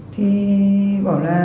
thì bảo là